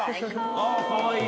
あぁかわいい。